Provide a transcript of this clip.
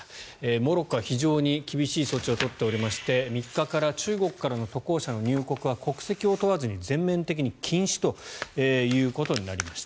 モロッコは非常に厳しい措置を取っておりまして３日から中国からの渡航者の入国は国籍を問わずに全面的に禁止ということになりました。